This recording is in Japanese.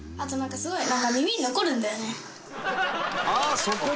すごいな。